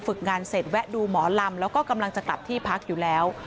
งานเสร็จแวะดูหมอลำแล้วก็กำลังจะกลับที่พักอยู่แล้ว